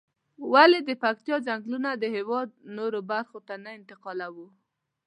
ولې د پکتيا ځنگلونه د هېواد نورو برخو ته نه انتقالوو؟